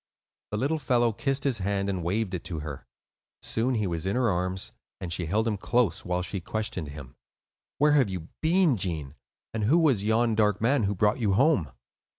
The little fellow kissed his hand and waved it to her. Soon he was in her arms; and she held him close, while she questioned him. "Where have you been, Gene, and who was yon dark man who brought you home?"